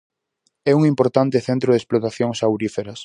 É un importante centro de explotacións auríferas.